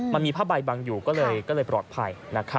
มันมีผ้าใบบังอยู่ก็เลยปลอดภัย